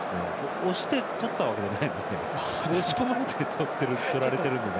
押して、取ったわけじゃないので押し込まれて取っているので。